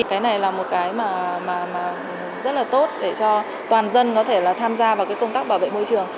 cái này là một cái mà rất là tốt để cho toàn dân có thể là tham gia vào cái công tác bảo vệ môi trường